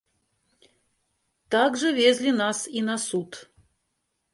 Так жа везлі нас і на суд.